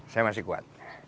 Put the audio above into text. saya masih kuat